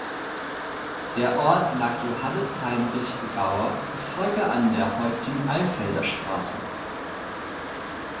Der Ort lag Johannes Heinrich Gebauer zufolge an der heutigen "Alfelder Straße".